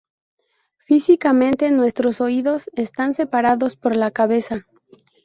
Físicamente nuestros oídos están separados por la cabeza.